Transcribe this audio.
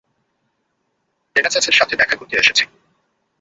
পেগাসাসের সাথে দেখা করতে এসেছি।